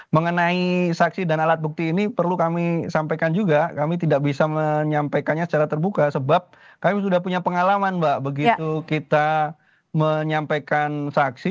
mengenai saksi dan alat bukti ini perlu kami sampaikan juga kami tidak bisa menyampaikannya secara terbuka sebab kami sudah punya pengalaman mbak begitu kita menyampaikan saksi